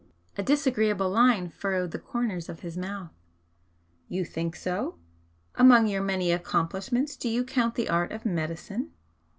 A disagreeable line furrowed the corners of his mouth. "You think so? Among your many accomplishments do you count the art of medicine?"